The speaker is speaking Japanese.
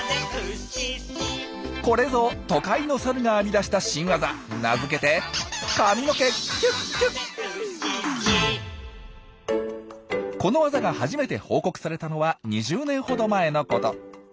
これぞ都会のサルが編み出した新ワザ名付けてこのワザが初めて報告されたのは２０年ほど前のこと。